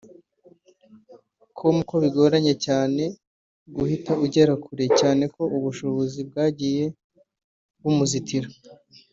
com ko bigoranye cyane guhita ugera kure cyane ko ubushobozi bwagiye bumuzitira